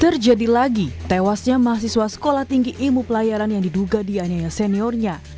terjadi lagi tewasnya mahasiswa sekolah tinggi ilmu pelayaran yang diduga dianiaya seniornya